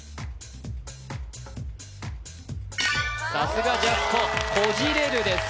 さすがジャスコこじれるです